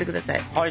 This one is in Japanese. はい。